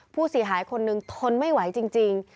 ผู้เสียหายคนหนึ่งทนไม่ไหวจริง